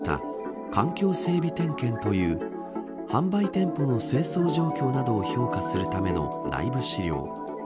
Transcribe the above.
これはめざまし８が入手した環境整備点検という販売店舗の清掃状況などを評価するための内部資料。